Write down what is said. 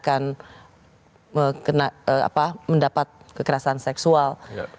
conteks dia digambarkan mendapat kekerasan seksual